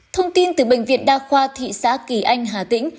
thông tin từ bệnh viện đa khoa thị xã kỳ anh hà tĩnh